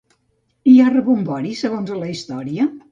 Hi ha rebombori segons la història?